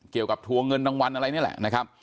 เกี่ยวกับทัวร์เงินดังวันอะไรนี่แหละ